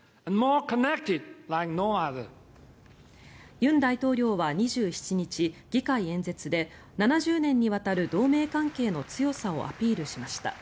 尹大統領は２７日議会演説で７０年にわたる同盟関係の強さをアピールしました。